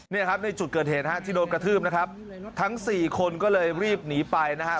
เนี่ยครับในจุดเกิดเหตุฮะที่โดนกระทืบนะครับทั้งสี่คนก็เลยรีบหนีไปนะฮะ